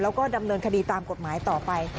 แล้วก็ดำเนินคดีตามกฎหมายต่อไป